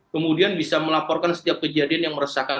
kemudian bisa melaporkan setiap kejadian yang meresahkan